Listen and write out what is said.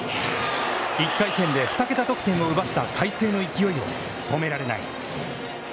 １回戦で二桁得点を奪った海星の勢いを止められない。